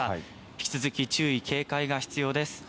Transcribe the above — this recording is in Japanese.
引き続き注意・警戒が必要です。